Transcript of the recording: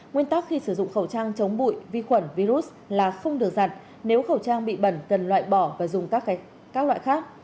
nguyên tắc khi sử dụng khẩu trang chống bụi vi khuẩn virus là không được giặt nếu khẩu trang bị bẩn cần loại bỏ và dùng các loại khác